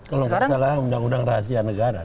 kalau nggak salah undang undang rahasia negara